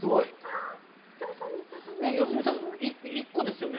良純さん１個ですよね。